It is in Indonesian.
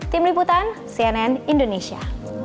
tim liputan cnn indonesia